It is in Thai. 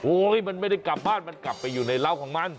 มันไม่ได้กลับบ้านมันกลับไปอยู่ในเหล้าของมัน